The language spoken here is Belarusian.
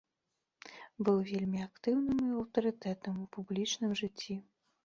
Быў вельмі актыўным і аўтарытэтным у публічным жыцці.